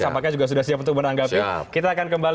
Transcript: siap sampainya juga sudah siap untuk menanggapi siap kita akan kembali